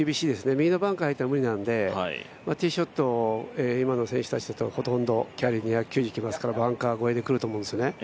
右のバンカーに入ったら無理なので、ティーショット、今の選手たちほとんどキャリ−２００行きますのでバンカー越えでくると思うんですね。